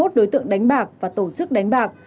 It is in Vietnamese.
tổ chức đánh bạc và tổ chức đánh bạc